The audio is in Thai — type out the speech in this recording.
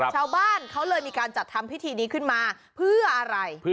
ชาวบ้านเขาเลยมีการจัดทำพิธีนี้ขึ้นมาเพื่ออะไร